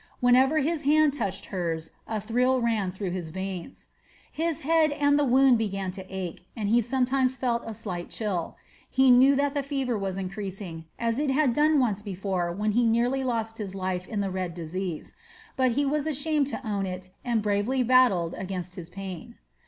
Whenever his hand touched hers a thrill ran through his veins. His head and the wound began to ache, and he sometimes felt a slight chill. He knew that the fever was increasing, as it had done once before when he nearly lost his life in the red disease; but he was ashamed to own it and battled bravely against his pain.